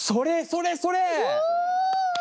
それそれ！